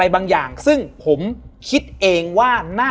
แล้วสักครั้งหนึ่งเขารู้สึกอึดอัดที่หน้าอก